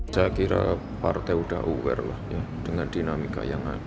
saya kira partai sudah aware lah ya dengan dinamika